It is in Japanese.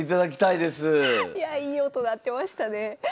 いやいい音鳴ってましたね